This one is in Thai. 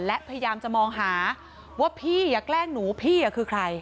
และพยายามจะมองหาว่าพี่อย่าแกล้งหนูพี่คือใคร